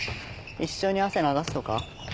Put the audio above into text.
一緒に汗流すとか。